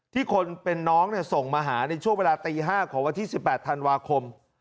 คนเป็นน้องส่งมาหาในช่วงเวลาตี๕ของวันที่๑๘ธันวาคม